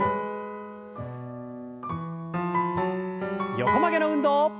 横曲げの運動。